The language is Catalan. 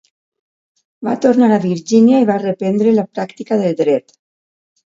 Va tornar a Virgínia i va reprendre la pràctica del dret.